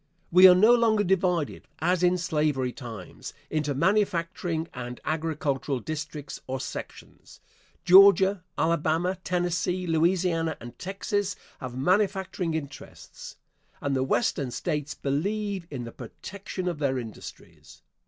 We are no longer divided, as in slavery times, into manufacturing and agricultural districts or sections. Georgia, Alabama, Tennessee, Louisiana and Texas have manufacturing interests. And the Western States believe in the protection of their industries.